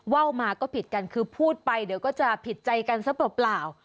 ว่าวมาก็ผิดกันคือพูดไปเดี๋ยวก็จะผิดใจกันซะเปล่า